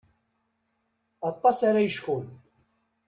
Aṭas ara yecfun.